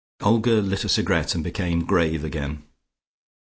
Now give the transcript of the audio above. Olga lit a cigarette and became grave again.